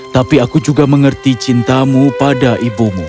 tapi aku juga mengerti cintamu pada ibumu